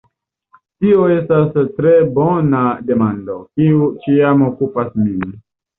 Tio estas tre bona demando, kiu ĉiam okupas min.